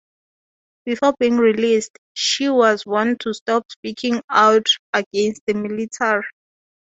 Before being released, she was warned to stop speaking out against the Military.